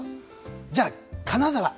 じゃあ、金沢。